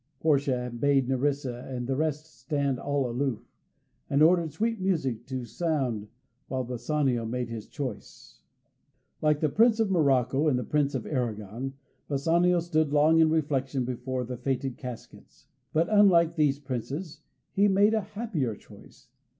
Portia bade Nerissa and the rest stand all aloof, and ordered sweet music to sound while Bassanio made his choice. Like the Prince of Morocco and the Prince of Arragon, Bassanio stood long in reflection before the fated caskets. But, unlike these Princes, he made a happier choice.